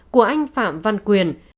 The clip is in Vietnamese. của anh phạm văn quyền